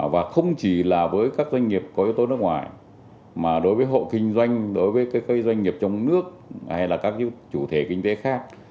và không chỉ là với các doanh nghiệp có yếu tố nước ngoài mà đối với hộ kinh doanh đối với các doanh nghiệp trong nước hay là các chủ thể kinh tế khác